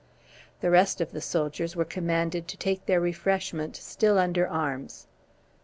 The rest of the soldiers were commanded to take their refreshment still under arms.